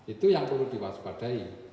itu yang perlu diwaspadai